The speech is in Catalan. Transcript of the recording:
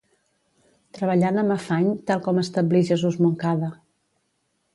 Treballant amb afany, tal com establí Jesús Moncada.